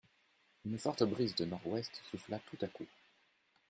Une forte brise de nordouest souffla tout à coup.